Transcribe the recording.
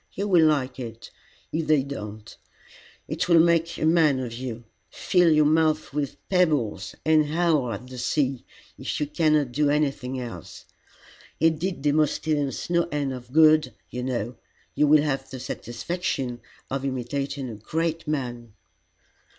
You will like it, if they don't. It will make a man of you. Fill your mouth with pebbles, and howl at the sea, if you cannot do anything else. It did Demosthenes no end of good, you know. You will have the satisfaction of imitating a great man."